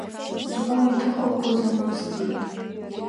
Сгәы иҭыхақәоз анысҵеит.